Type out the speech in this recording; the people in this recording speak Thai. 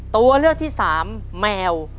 ตัวเลือกที่สามแมว